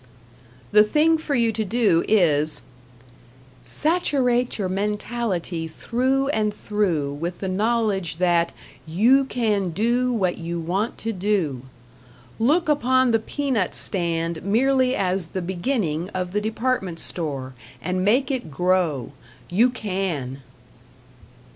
The thing for you to do is Saturate your mentality through and through with the knowledge that YOU CAN DO WHAT YOU WANT TO DO.... Look upon the peanut stand merely as the beginning of the department store, and make it grow; you can.